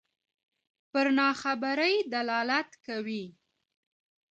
پر ناخبرۍ دلالت کوي.